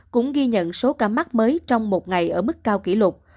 cũng ghi nhận số ca mắc mới trong một ngày ở mức cao kỷ lục